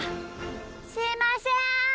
すいません！